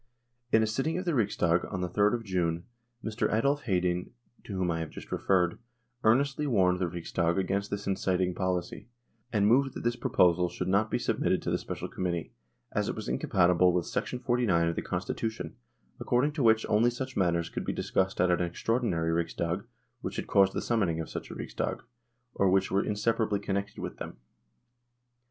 In a sitting of the Riksdag on the 3rd of June, Mr. Adolf Hedin, to whom I have just referred, earnestly warned the Riksdag against this inciting policy, and moved that this proposal should not be submitted to the Special Committee, as it was incompatible with 49 of the Constitution, according to which only such matters could be discussed at an extraordinary Riksdag which had caused the summoning of such a Riksdag, or which were inseparably connected with them.